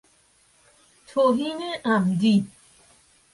توهین عمدی